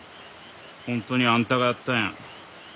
本当にあんたがやったんやな。